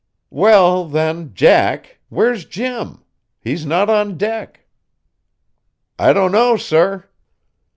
"Well, then, Jack, where's Jim? He's not on deck." "I don't know, sir."